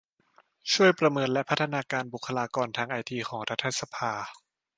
ช่วยประเมินและพัฒนาบุคคลากรทางไอทีของรัฐสภา